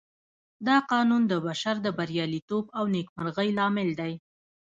دا قانون د بشر د برياليتوب او نېکمرغۍ لامل دی.